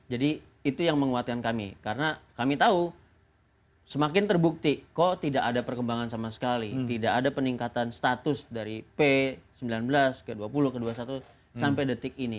jadi itu yang menguatkan kami karena kami tahu semakin terbukti kok tidak ada perkembangan sama sekali tidak ada peningkatan status dari p sembilan belas ke dua puluh ke dua puluh satu sampai detik ini